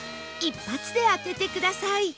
一発で当ててください